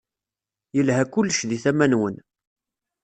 Yelha kullec di tama-nwen.